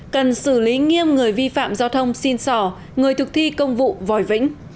cần xử lý nghiêm người vi phạm giao thông xin sỏ người thực thi công vụ vòi vĩnh